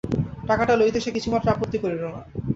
টাকাটা লইতে সে কিছুমাত্র আপত্তি করিল না।